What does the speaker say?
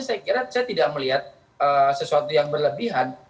saya kira saya tidak melihat sesuatu yang berlebihan